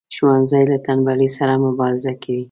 ښوونځی له تنبلی سره مبارزه کوي